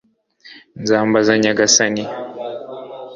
nzambaza nyagasani